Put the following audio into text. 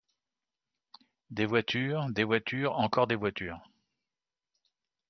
Des voitures des voitures encore des voitures